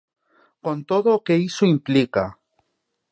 Con todo o que iso implica.